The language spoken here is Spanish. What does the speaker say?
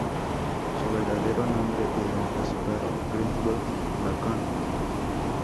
Su verdadero nombre era Gaspar Griswold Bacon, Jr.